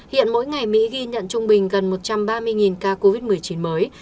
hiện mỗi ngày mỹ ghi nhận trung bình gần một trăm ba mươi ca covid một mươi chín mới